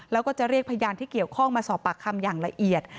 แล้วก็จะเรียกพยานที่เกี่ยวข้องมาสอบปากคำอย่างละเอียด